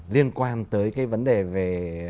liên quan tới cái vấn đề về